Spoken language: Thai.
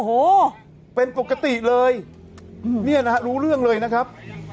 โอ้โหเป็นปกติเลยเนี่ยนะฮะรู้เรื่องเลยนะครับ